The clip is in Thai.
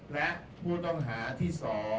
และผู้ต้องหาที่๒